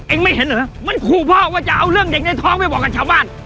ไม่เห็นเหรอมันขู่พ่อว่าจะเอาเรื่องเด็กในท้องไปบอกกับชาวบ้าน